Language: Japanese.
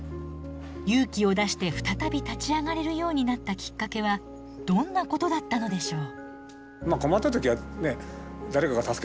勇気を出して再び立ち上がれるようになったきっかけはどんなことだったのでしょう？